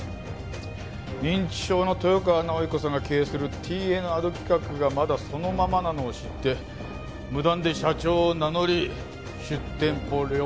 認知症の豊川直彦さんが経営するＴＮａｄ企画がまだそのままなのを知って無断で社長を名乗り出店舗料詐欺。